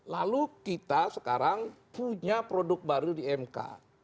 lalu kita sekarang punya produk baru di mk